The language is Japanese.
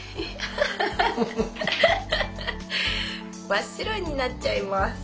真っ白になっちゃいます。